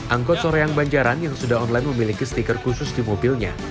angkot soreang banjaran yang sudah online memiliki stiker khusus di mobilnya